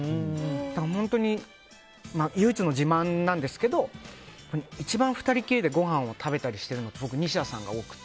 本当に、唯一の自慢ですけど一番２人きりでごはんを食べたりしてるのは僕、西田さんが多くて。